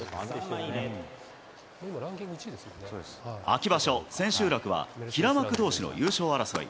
秋場所千秋楽は、平幕どうしの優勝争い。